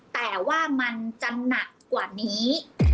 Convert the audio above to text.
แต่ว่ามันจะหนักกว่านี้